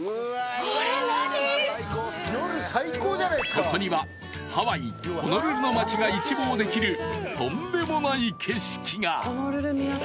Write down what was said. これ何⁉［そこにはハワイホノルルの街が一望できるとんでもない景色が］